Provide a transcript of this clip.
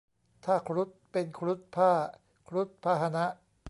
ถ้า ครุฑ เป็น ครุฑพ่าห์ ครุฑพาหนะ